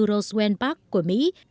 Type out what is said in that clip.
roswell park của mỹ